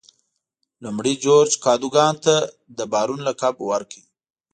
لومړي جورج کادوګان ته د بارون لقب ورکړ.